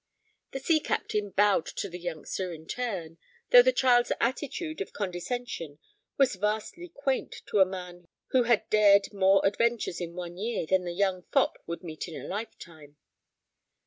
The sea captain bowed to the youngster in turn, though the child's attitude of condescension was vastly quaint to a man who had dared more adventures in one year than the young fop would meet in a lifetime.